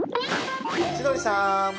千鳥さーん